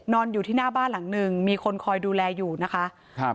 อยู่ที่หน้าบ้านหลังหนึ่งมีคนคอยดูแลอยู่นะคะครับ